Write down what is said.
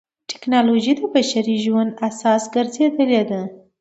ټکنالوجي د بشري ژوند اساس ګرځېدلې ده.